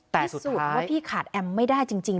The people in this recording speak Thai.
พิสูจน์ว่าพี่ขาดแอมไม่ได้จริง